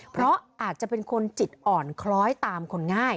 เพราะอาจจะเป็นคนจิตอ่อนคล้อยตามคนง่าย